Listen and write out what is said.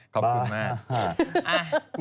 ขอบคุณมาก